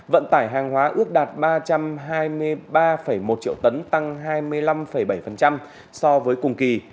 vận tải hàng hóa ước đạt ba trăm hai mươi ba một triệu tấn tăng hai mươi năm bảy so với cùng kỳ